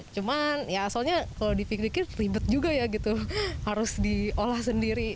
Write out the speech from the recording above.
cuman ya asalnya kalau dipikir pikir ribet juga ya gitu harus diolah sendiri